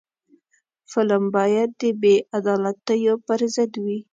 فلم باید د بې عدالتیو پر ضد وي